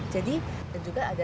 jadi juga ada